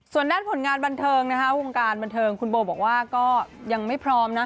ส่วนด้านผลงานบันเทิงนะคะวงการบันเทิงคุณโบบอกว่าก็ยังไม่พร้อมนะ